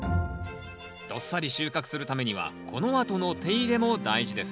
どっさり収穫するためにはこのあとの手入れも大事ですよ。